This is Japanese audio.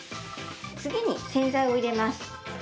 次に洗剤を入れます。